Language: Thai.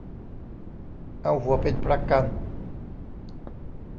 เอาหัวเป็นประกัน